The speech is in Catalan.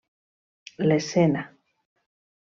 L'escena: